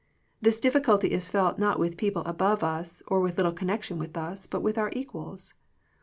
This difficulty is felt not with people above us, or with little connection with us, but with our equals.